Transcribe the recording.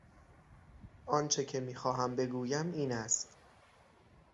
آنچه که میخواهم بگویم این است...